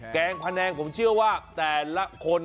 แกงพะแนงผมเชื่อว่าแต่ละคน